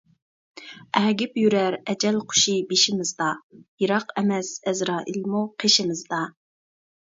ئەگىپ يۈرەر ئەجەل قۇشى بېشىمىزدا، يىراق ئەمەس ئەزرائىلمۇ قېشىمىزدا.